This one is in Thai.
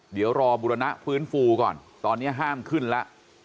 เดี๋ยวรอบบุรณะฟื้นฟูก่อนตอนนี้ห้ามขึ้นแล้ว